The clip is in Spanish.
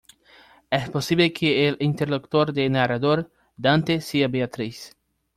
Es posible que el interlocutor del narrador, Dante, sea Beatriz.